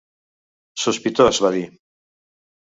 "Sospitós", va dir.